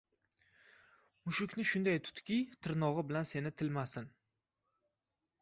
• Mushukni shunday tutki, tirnog‘i bilan seni tilmasin.